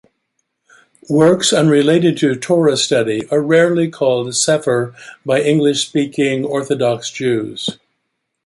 Works unrelated to Torah study are rarely called "sefer" by English-speaking Orthodox Jews.